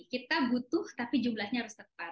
kita butuh tapi jumlahnya harus tepat